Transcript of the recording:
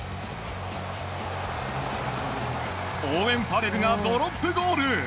オーウェン・ファレルがドロップゴール！